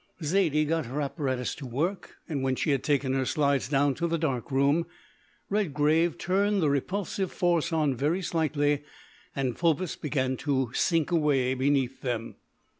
Zaidie got her apparatus to work, and when she had taken her slides down to the dark room, Redgrave turned the R. Force on very slightly and Phobos began to sink away beneath them.